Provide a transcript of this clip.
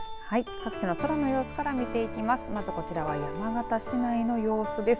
各地の空の様子から見ていきます。